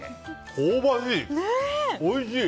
香ばしい！